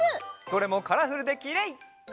どれもカラフルできれい！